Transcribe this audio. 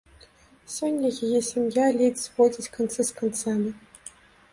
Сёння яе сям'я ледзь зводзіць канцы з канцамі.